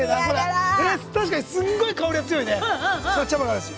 確かに、すごい香りが強いね。